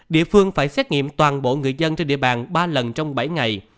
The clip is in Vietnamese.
địa phương phải xét nghiệm toàn bộ người dân trên địa bàn ba lần trong bảy ngày